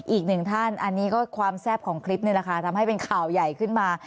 อีกหนึ่งท่านอันนี้ก็ความแซ่บของคลิปนี่แหละค่ะทำให้เป็นข่าวใหญ่ขึ้นมา